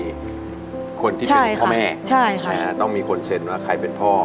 คนที่เป็นพ่อแม่ใช่ค่ะต้องมีคนเซ็นว่าใครเป็นพ่อ